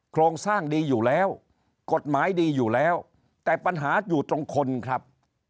โครงสร้างดีอยู่แล้วกฎหมายดีอยู่แล้วแต่ปัญหาอยู่ตรงคนครับ